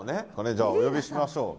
じゃあお呼びしましょう。